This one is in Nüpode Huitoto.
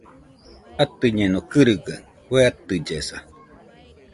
Atɨñeno gɨrɨgaɨ kue atɨllesa